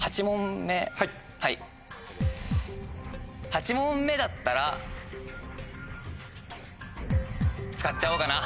８問目だったら使っちゃおうかな。